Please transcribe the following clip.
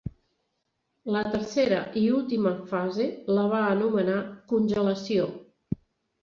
La tercera i última fase la va anomenar "congelació".